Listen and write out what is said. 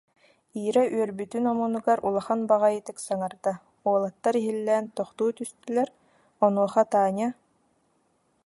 Ира үөрбүтүн омунугар улахан баҕайытык саҥарда, уолаттар иһиллээн тохтуу түстүлэр, онуоха Таня: